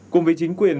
cùng với chính quyền